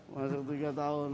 masuk tiga tahun